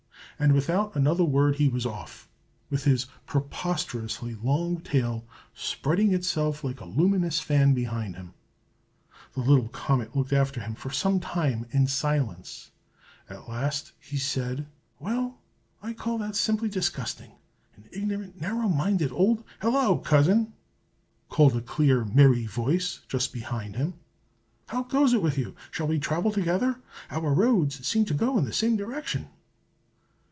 And without another word he was off, with his preposterously long tail spreading itself like a luminous fan behind him. The little comet looked after him for some time in silence. At last he said: "Well, I call that simply disgusting! An ignorant, narrow minded old " "Hello, cousin!" called a clear merry voice just behind him. "How goes it with you? Shall we travel together? Our roads seem to go in the same direction."